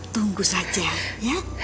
tunggu saja ya